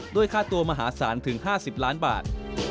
ด้วยค่าตัวมหาศาลถึง๕๐ล้านบาท